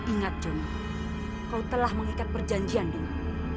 ingat jomil kau telah mengikat perjanjian dengan aku